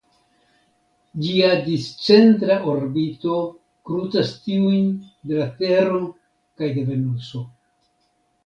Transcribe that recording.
Ĝia discentra orbito krucas tiujn de la Tero kaj de Venuso.